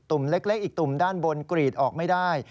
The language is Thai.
เล็กอีกตุ่มด้านบนกรีดออกไม่ได้